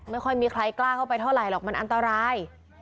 ไม่ค่อยมีใครกล้าเข้าไปเท่าไหร่หรอกมันอันตราย